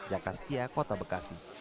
jakastia kota bekasi